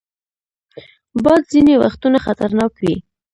باد ځینې وختونه خطرناک وي